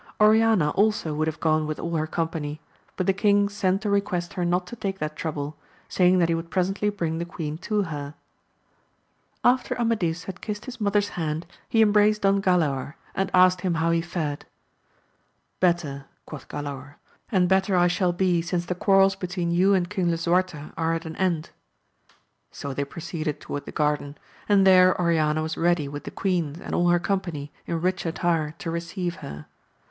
Oriana also would have gone with all her company ; but the king sent to request her not to take that trouble, saying that he would presently bring the queen to her. After Amadis had kissed his mother's hand, he embraced Don Galaor, and asked him how he fared ; Better, quoth Galaor, and better I shall be, since the quarrels between you and King LisuSirte are at an end. So they proceeded toward the garden, and there Oriana was ready with the queens and all her company in rich attire to re ceive her.